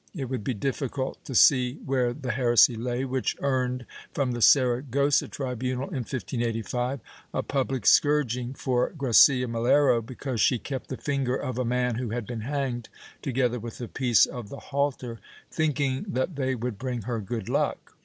It would be difficult to see where the heresy lay which earned, from the Sara gossa tribunal, in 1585, a public scourging for Gracia Melero, because she kept the finger of a man who had been hanged, together with a piece of the halter, thinking that they would bring her good luck.